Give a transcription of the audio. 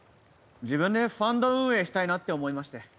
自分でファンド運営したいなって思いまして。